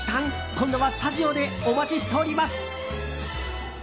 今度はスタジオでお待ちしております。